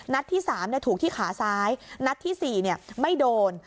ที่๓ถูกที่ขาซ้ายนัดที่๔ไม่โดน